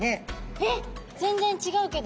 えっ全然違うけど。